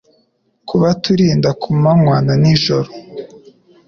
kubaturinda ku manywa na nijoro